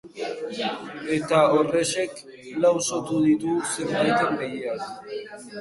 Eta horrexek lausotu ditu zenbaiten begiak.